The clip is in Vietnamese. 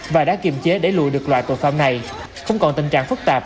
và đã kiềm chế để lùi được loại tội phạm này không còn tình trạng phức tạp